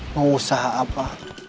mau usaha apa